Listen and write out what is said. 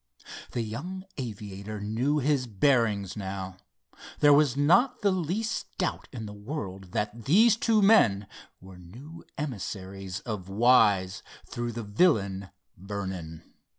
The young aviator knew his bearings now. There was not the least doubt in the world that these two men were new emissaries of Wise through the villain, Vernon.